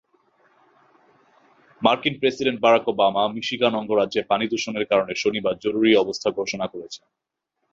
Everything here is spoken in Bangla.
মার্কিন প্রেসিডেন্ট বারাক ওবামা মিশিগান অঙ্গরাজ্যে পানিদূষণের কারণে শনিবার জরুরি অবস্থা ঘোষণা করেছেন।